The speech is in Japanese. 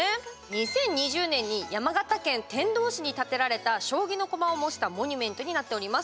２０２０年に山形県天童市に建てられた将棋の駒を模したモニュメントになっております。